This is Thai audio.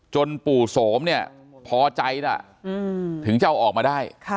ปู่โสมเนี่ยพอใจนะถึงจะเอาออกมาได้